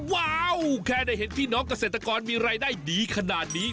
ว้าวแค่ได้เห็นพี่น้องเกษตรกรมีรายได้ดีขนาดนี้